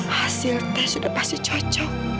hasil teh sudah pasti cocok